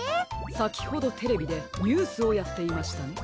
さきほどテレビでニュースをやっていましたね。